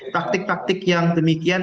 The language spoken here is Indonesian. praktik praktik yang demikian